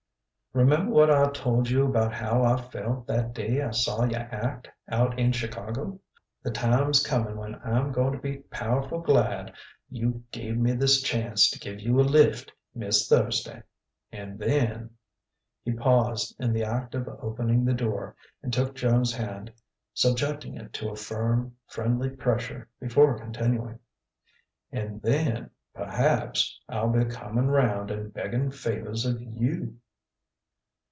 Remember what I told you about how I felt that day I saw you act, out in Chicago. The time's coming when I'm going to be powerful' glad you gave me this chance to give you a lift, Miss Thursday. And then" he paused in the act of opening the door, and took Joan's hand, subjecting it to a firm, friendly pressure before continuing "and then, perhaps, I'll be coming round and begging favours of you."